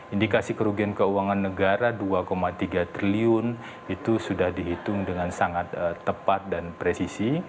indikasi kerugian keuangan negara dua tiga triliun itu sudah dihitung dengan sangat tepat dan presisi